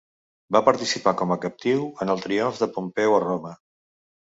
Va participar com a captiu en el triomf de Pompeu a Roma.